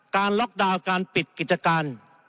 ล็อกดาวน์การปิดกิจการ